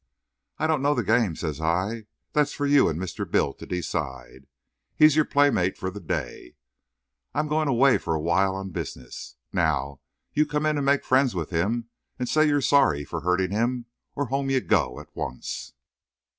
"I don't know the game," says I. "That's for you and Mr. Bill to decide. He's your playmate for the day. I'm going away for a while, on business. Now, you come in and make friends with him and say you are sorry for hurting him, or home you go, at once."